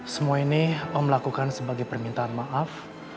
semua ini om lakukan sebagai permintaan maaf